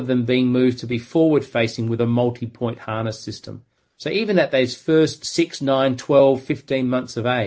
tapi membenarkan mereka lebih banyak ruang peningkatan